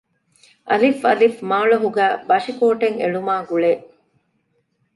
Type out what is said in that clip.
އއ. މާޅޮހުގައި ބަށިކޯޓެއް އެޅުމާގުޅޭ